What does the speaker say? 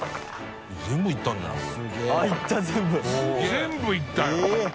全部いったよ！